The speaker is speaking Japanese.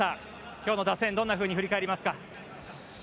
今日の打線どんなふうに振り返りますか。